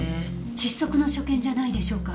窒息の所見じゃないでしょうか？